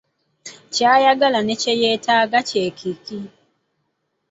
Ky'ayagala ne kye yeetaaga kye kiki?